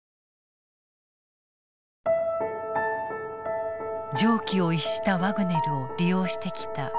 常軌を逸したワグネルを利用してきたプーチン大統領。